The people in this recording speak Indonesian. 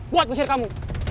buat mengesir kamu